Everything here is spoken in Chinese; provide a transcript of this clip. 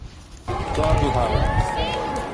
抓住他们！